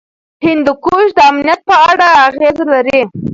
هندوکش د امنیت په اړه اغېز لري.